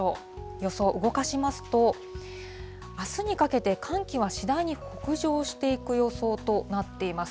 予想、動かしますと、あすにかけて、寒気は次第に北上していく予想となっています。